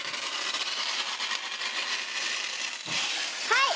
はい！